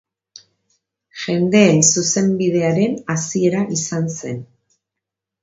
Jendeen Zuzenbidearen hasiera izan zen.